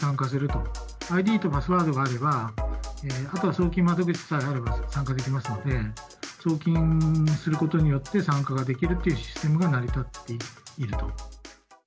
ＩＤとパスワードがあれば、あとは送金窓口さえあれば、参加できますので、送金することによって参加ができるというシステムが成り立っていると。